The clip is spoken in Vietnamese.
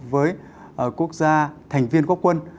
với quốc gia thành viên quốc quân